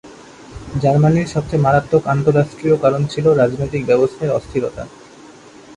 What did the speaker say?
জার্মানির সবচেয়ে মারাত্মক আন্তঃরাষ্ট্রীয় কারণ ছিল রাজনৈতিক ব্যবস্থায় অস্থিরতা।